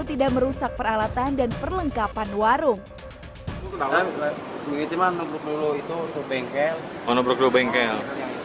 tidak merusak peralatan dan perlengkapan warung kalau begitu manu berlulu itu tuh bengkel bengkel